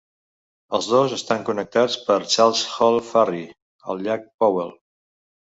Els dos estan connectats pel Charles Hall Ferry al llac Powell.